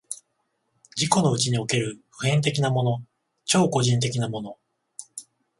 自己のうちにおける普遍的なもの、超個人的なもの、